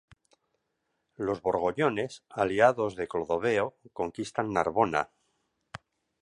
Los borgoñones, aliados de Clodoveo, conquistan Narbona.